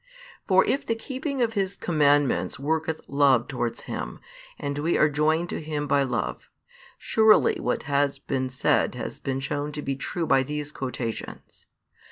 For if the keeping of His commandments worketh love towards Him, and we are joined to Him by love, surely what has been said has been shown to be true by these quotations.